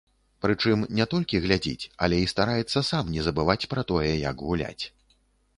Прычым не толькі глядзіць, але і стараецца сам не забываць пра тое, як гуляць.